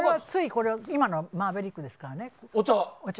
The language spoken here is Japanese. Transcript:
これは今の「マーヴェリック」ですからね。